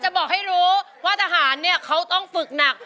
บอกให้รู้ว่าทหารเนี่ยเขาต้องฝึกหนัก